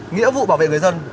nghĩa vụ bảo vệ người dân